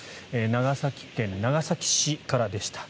長崎県長崎市からでした。